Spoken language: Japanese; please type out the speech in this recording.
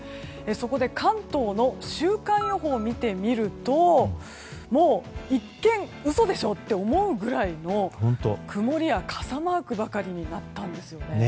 そこで関東の週間予報を見てみるともう、一見嘘でしょ？と思うぐらい曇りや傘マークになったんです。